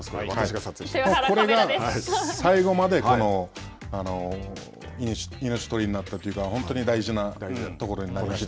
これが最後まで命取りになったというか、本当に大事なところになりました。